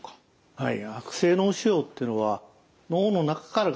はい。